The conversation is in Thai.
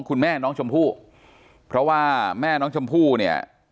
คุณแม่น้องชมพู่เพราะว่าแม่น้องชมพู่เนี่ย